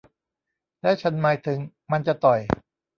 และฉันหมายถึงมันจะต่อย